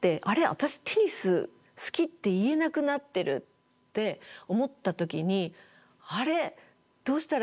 私テニス好きって言えなくなってる」って思った時にあれどうしたらいいんだろう？